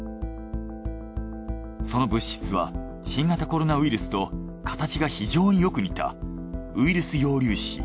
その物質は新型コロナウイルスと形が非常によく似たウイルス様粒子。